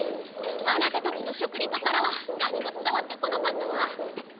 あなたたちの食リポからは何もつたわってこなかったわ。